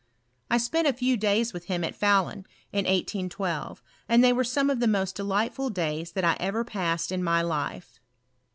I spent a few days with him at Fahlun, iu 1812. and they were Bome of the most delightful days that I ever passed in my lii'e.